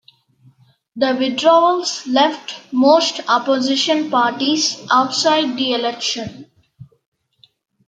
The withdrawals left most opposition parties outside the election.